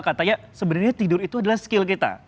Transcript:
katanya sebenarnya tidur itu adalah skill kita